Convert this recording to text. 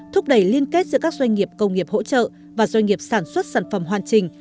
thúc đẩy liên kết giữa các doanh nghiệp công nghiệp hỗ trợ và doanh nghiệp sản xuất sản phẩm hoàn trình